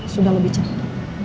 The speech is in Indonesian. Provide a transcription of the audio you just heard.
sudah lebih cepat